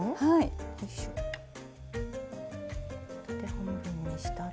半分にしたら。